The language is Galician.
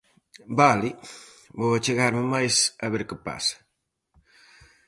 Vale, vou achegarme máis a ver que pasa.